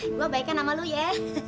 gua baikan sama lu ya